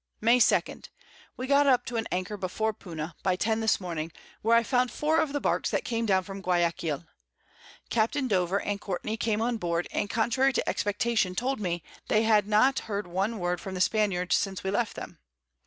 May 2. We got up to an Anchor before Puna, by 10 this Morning, where I found 4 of the Barks that came down from Guiaquil. Capt. Dover and Courtney came on Board, and contrary to Expectation told me, they had not heard one Word from the Spaniards since we left them.